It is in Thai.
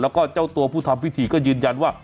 แล้วก็เจ้าตัวผู้ทำพิธีก็ยืนยันว่า